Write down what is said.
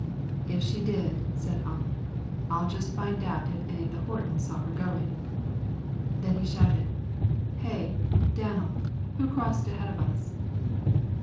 "If she did," said Ump, "I'll just find out if any of the Hortons saw her goin'." Then he shouted, "Hey, Danel, who crossed ahead of us?"